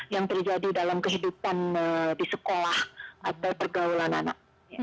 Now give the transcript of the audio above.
yang terjadi dalam kehidupan di sekolah atau pergaulan anak